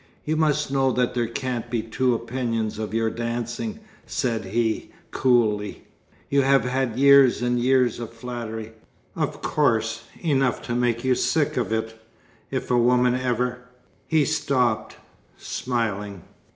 "You must know that there can't be two opinions of your dancing," said he coolly. "You have had years and years of flattery, of course; enough to make you sick of it, if a woman ever " He stopped, smiling.